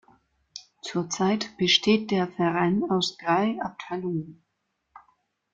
Zurzeit besteht der Verein aus drei Abteilungen.